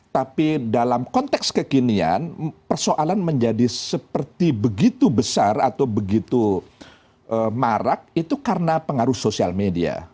tapi dalam konteks kekinian persoalan menjadi seperti begitu besar atau begitu marak itu karena pengaruh sosial media